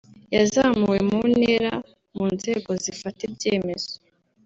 yazamuwe mu ntera mu nzego zifata ibyemezo